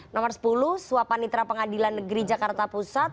nomor sepuluh suapan nitra pengadilan negeri jakarta pusat